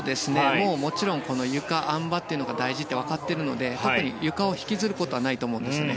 もちろんゆか、あん馬が大事って分かっているので特にゆかを引きずることはないと思うんですね。